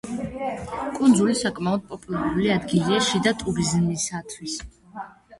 კუნძული საკმაოდ პოპულარული ადგილია შიდა ტურიზმისათვის.